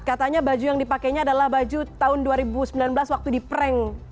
katanya baju yang dipakainya adalah baju tahun dua ribu sembilan belas waktu di prank